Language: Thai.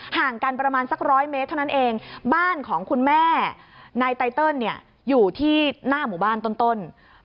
ห่างกันประมาณสักร้อยเมตรเท่านั้นเองบ้านของคุณแม่นายไตเติลเนี่ยอยู่ที่หน้าหมู่บ้านต้น